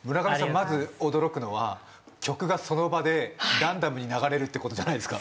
まず驚くのは曲がその場でランダムに流れるってことじゃないですか？